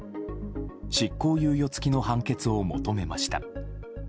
執行猶予付きの判決を求めました。